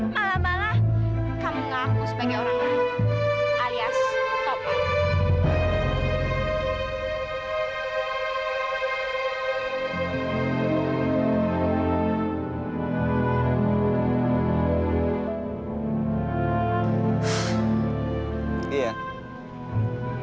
malah malah kamu ngaku sebagai orang lain alias topeng